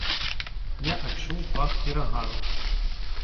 Я адчуў пах перагару.